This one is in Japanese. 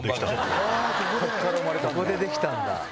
ここでできたんだ。